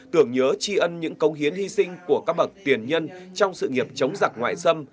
tưởng nhớ tri ân những công hiến hy sinh của các bậc tiền nhân trong sự nghiệp chống giặc ngoại xâm